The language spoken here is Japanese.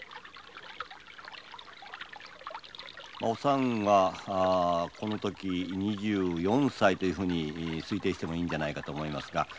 おさんはこの時２４歳というふうに推定してもいいんじゃないかと思いますが。